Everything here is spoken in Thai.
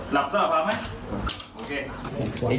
ลับท่าภาพไหม